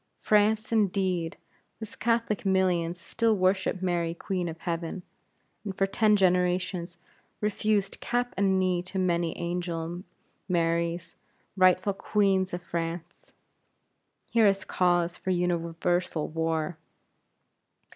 France, indeed! whose Catholic millions still worship Mary Queen of Heaven; and for ten generations refused cap and knee to many angel Maries, rightful Queens of France. Here is cause for universal war.